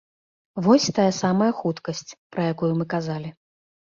Вось тая самая хуткасць, пра якую мы казалі.